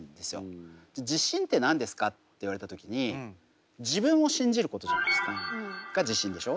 自信って何ですか？って言われた時に自分を信じることじゃないですか。が自信でしょ？